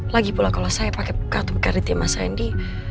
lagipula kalau saya pakai kartu kreditnya mas rendy